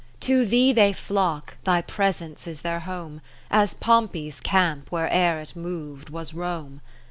To thee they flock, thy Presence is their home. As Pompey's camp, where e'er it mov'd, was Rome.